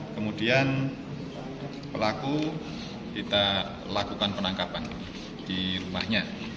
kemudian pelaku kita lakukan penangkapan di rumahnya